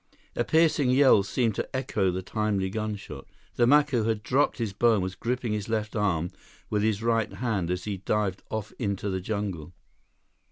A piercing yell seemed to echo the timely gunshot. The Macu had dropped his bow and was gripping his left arm with his right hand as he dived off into the jungle.